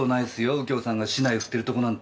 右京さんが竹刀振ってるとこなんて。